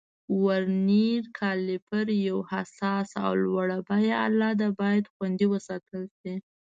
ورنیر کالیپر یو حساس او لوړه بیه آله ده، باید خوندي وساتل شي.